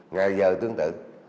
ngày giờ tương tự